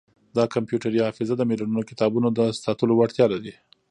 دا کمپیوټري حافظه د ملیونونو کتابونو د ساتلو وړتیا لري.